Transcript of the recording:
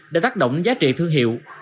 để tác động giá trị thương hiệu